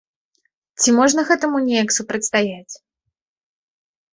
Ці можна гэтаму неяк супрацьстаяць?